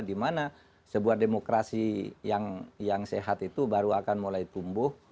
dimana sebuah demokrasi yang sehat itu baru akan mulai tumbuh